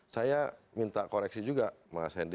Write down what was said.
saya minta koreksi juga mas hendy